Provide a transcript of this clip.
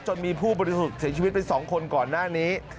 จนมีผู้บริสุทธิ์เสียชีวิตไป๒คนก่อนหน้านี้